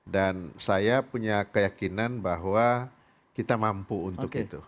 dan saya punya keyakinan bahwa kita mampu untuk itu